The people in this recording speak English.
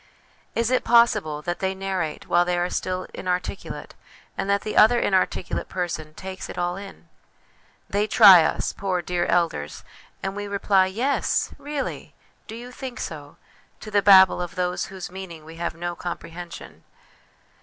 Is it possible that they narrate while they are still inarticulate, and that the other inarticulate person takes it all in ? They try us, poor dear elders, and we reply 'Yes,' ' Really !'' Do you think so ?' to the babble of whose meaning we have no comprehension.